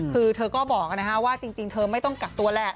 คือเธอก็บอกว่าจริงเธอไม่ต้องกักตัวแหละ